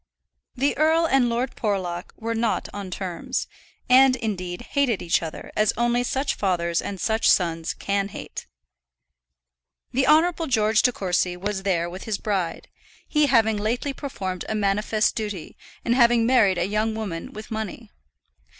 The earl and Lord Porlock were not on terms, and indeed hated each other as only such fathers and such sons can hate. The Honourable George De Courcy was there with his bride, he having lately performed a manifest duty, in having married a young woman with money.